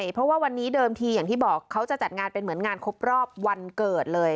เพราะว่าวันนี้เดิมทีอย่างที่บอกเขาจะจัดงานเป็นเหมือนงานครบรอบวันเกิดเลย